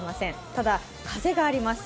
ただ、風があります。